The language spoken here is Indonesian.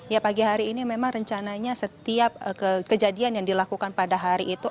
ya pagi hari ini memang rencananya setiap kejadian yang dilakukan pada hari itu